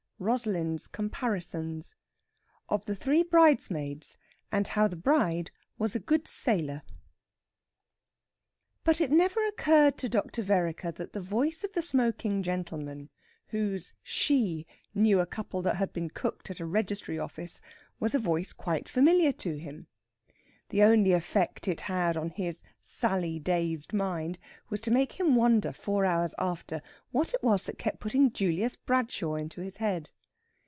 ROSALIND'S COMPARISONS. OF THE THREE BRIDESMAIDS, AND HOW THE BRIDE WAS A GOOD SAILOR But it never occurred to Dr. Vereker that the voice of the smoking gentleman, whose "she" knew a couple that had been cooked at a registry office, was a voice quite familiar to him. The only effect it had on his Sally dazed mind was to make him wonder four hours after what it was that kept putting Julius Bradshaw into his head.